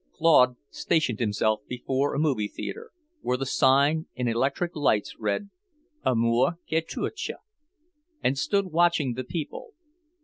Claude stationed himself before a movie theatre, where the sign in electric lights read, "Amour, quand tu nous tiens!" and stood watching the people.